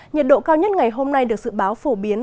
nhiệt độ cao nhất ngày hôm nay được dự báo phổ biến